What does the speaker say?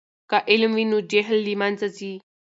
که علم وي نو جهل له منځه ځي.